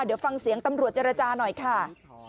เดี๋ยวฟังเสียงตำรวจเจรจาหน่อยค่ะ